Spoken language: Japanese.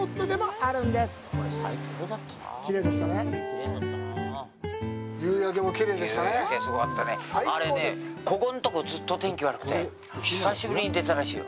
あれね、ここんとこ、ずっと天気が悪くて、久しぶりに出たらしいよ。